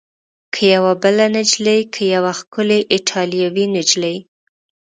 که یوه بله نجلۍ؟ که یوه ښکلې ایټالوۍ نجلۍ؟